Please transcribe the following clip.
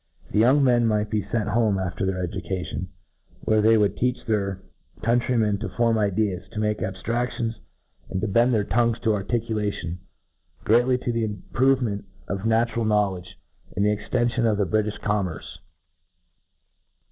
The young men jnight be fent home ' after thejr education, wftcre they would teach , their countrymen to fornv ideas, to make abftrac tions, and to bend their tongues to articulation ; greatly to the improvenlent of natural kriow • ledge, and to the e2;tention of the Britiih com merce. ,:.•^^' D wc 26 PR E F. A C E.